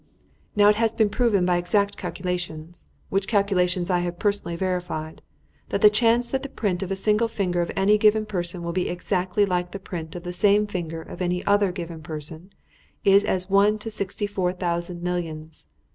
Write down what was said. "Now it has been proved by exact calculations which calculations I have personally verified that the chance that the print of a single finger of any given person will be exactly like the print of the same finger of any other given person is as one to sixty four thousand millions.